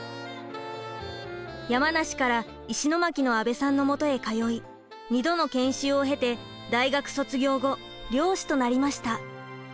山梨から石巻の阿部さんのもとへ通い２度の研修を経て大学卒業後漁師となりました。